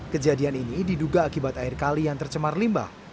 kejadian ini diduga akibat air kali yang tercemar limbah